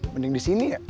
mending disini ya